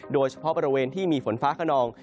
โดยเฉพาะบริเวณที่มีฝนฟ้าขนอง